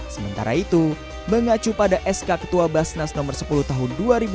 sementara itu mengacu pada skt dan zakat fitrah juga bisa dibayar dengan uang tunai yang biasa dikonsumsi sehari hari